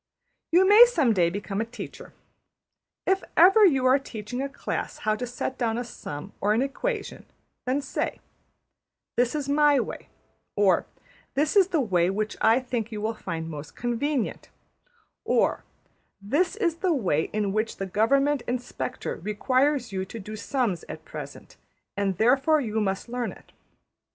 You may some day become a teacher. If ever you are teaching a class how to set down a sum or an equation, say ``This is my way,'' or ``This is the way which I think you will find most convenient,'' or ``This is the way in which the Government Inspector requires you to do the sums at present, and therefore you must learn it.''